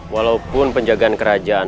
walaupun penjagaan kerajaan